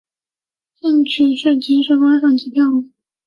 兴趣是即时观赏及跳舞。